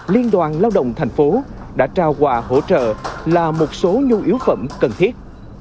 liên đoàn lao động thành phố đã trao quà hỗ trợ là một số nhu yếu phẩm cần thiết